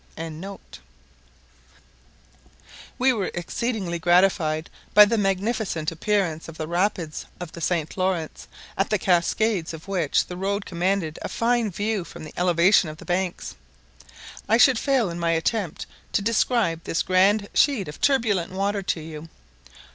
] We were exceedingly gratified by the magnificent appearance of the rapids of the St. Laurence, at the cascades of which the road commanded a fine view from the elevation of the banks. I should fail in my attempt to describe this grand sheet of turbulent water to you.